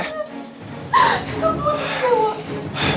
sudah putri semua